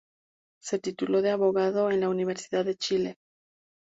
Se tituló de abogado en la Universidad de Chile.